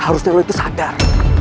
harusnya lo itu sadar